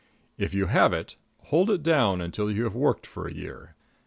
If you have it, hold it down until you have worked for a year.